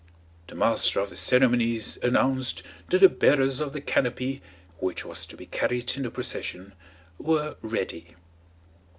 The master of the ceremonies announced that the bearers of the canopy, which was to be carried in the procession, were ready.